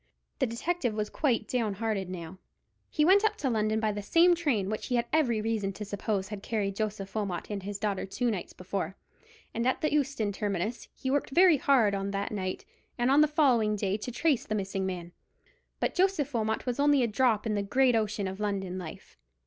The detective was quite down hearted now. He went up to London by the same train which he had every reason to suppose had carried Joseph Wilmot and his daughter two nights before, and at the Euston terminus he worked very hard on that night and on the following day to trace the missing man. But Joseph Wilmot was only a drop in the great ocean of London life.